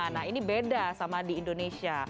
nah ini beda sama di indonesia